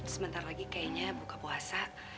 sebentar lagi kayaknya buka puasa